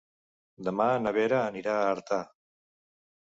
Demà na Vera anirà a Artà.